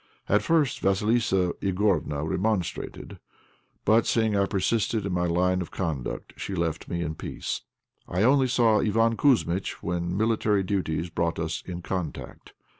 At first Vassilissa Igorofna remonstrated, but, seeing I persisted in my line of conduct, she left me in peace. I only saw Iván Kouzmitch when military duties brought us in contact.